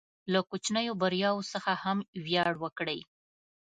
له کوچنیو بریاوو څخه هم ویاړ وکړئ.